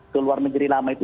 keluar menjeri lama itu